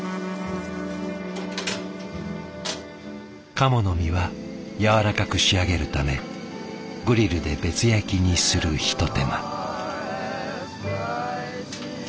鴨の身はやわらかく仕上げるためグリルで別焼きにするひと手間。